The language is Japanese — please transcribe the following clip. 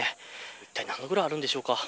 いったい何度ぐらいあるんでしょうか。